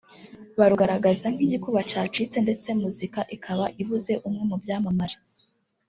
barugaragaza nk’igikuba cyacitse ndetse muzika ikaba ibuze umwe mu byamamare